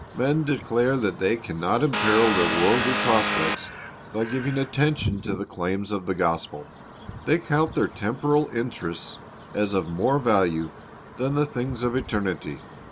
Men declare that they can not imperil their worldly prospects by giving attention to the claims of the gospel. They count their temporal interests as of more value than the things of eternity.